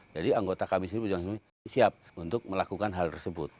jadi anggota kami siap untuk melakukan hal tersebut